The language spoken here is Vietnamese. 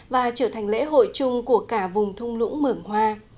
và trở thành lễ hội chung của cả vùng thung lũng mường hoa